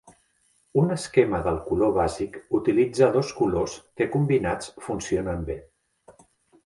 Un esquema del color bàsic utilitza dos colors que combinats funcionen bé.